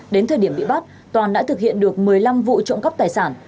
đến thời điểm bị bắt toàn đã thực hiện được một mươi năm vụ trộm cắp tài sản